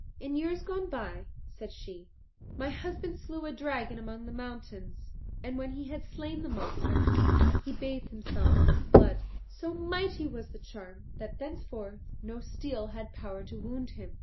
"In years gone by," said she, "my husband slew a dragon among the mountains, and when he had slain the monster, he bathed himself in its blood. So mighty was the charm, that thenceforth no steel had power to wound him.